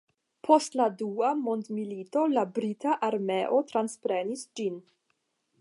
Post la dua mondmilito la brita armeo transprenis ĝin.